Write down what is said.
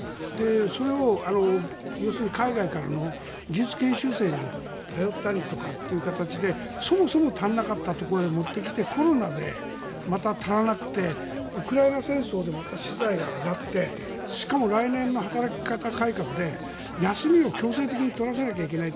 それを要するに海外の技術研修生に頼ったりとかという形でそもそも足らなかったところに持ってきてコロナでまた足らなくてウクライナ戦争でまた資材が上がってしかも来年の働き方改革で休みを強制的に取らせないといけない。